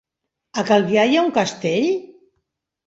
A Calvià hi ha un castell?